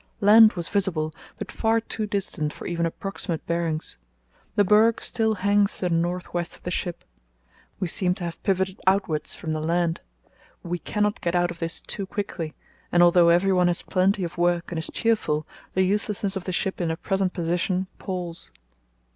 Land was visible, but far too distant for even approximate bearings. The berg still hangs to the north west of the ship. We seem to have pivoted outwards from the land. We cannot get out of this too quickly, and although every one has plenty of work, and is cheerful, the uselessness of the ship in her present position palls.